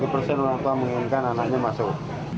tujuh puluh persen orang tua menginginkan anaknya masuk